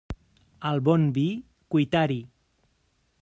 Al bon vi, cuitar-hi.